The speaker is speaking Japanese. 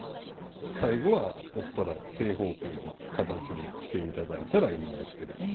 最後は折ったら正方形の形にして頂いたらいいんですけれど。